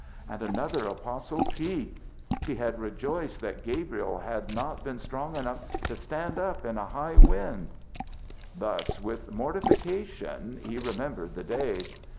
And another Apostle Pete! He had rejoiced that Gabriel had not been strong enough to stand up in a high wind! Thus with mortification he remembered the day.